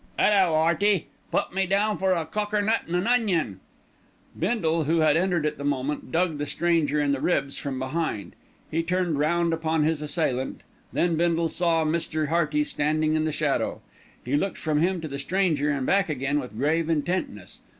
"'Ullo! 'Earty! Put me down for a cokernut an' an onion." Bindle, who had entered at that moment, dug the stranger in the ribs from behind. He turned round upon his assailant, then Bindle saw Mr. Hearty standing in the shadow. He looked from him to the stranger and back again with grave intentness.